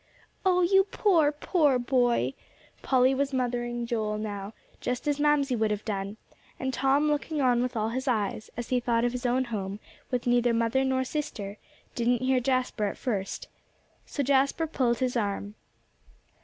"Oh, you poor, poor boy!" Polly was mothering Joel now, just as Mamsie would have done; and Tom looking on with all his eyes, as he thought of his own home, with neither mother nor sister, didn't hear Jasper at first. So Jasper pulled his arm.